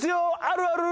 あるある！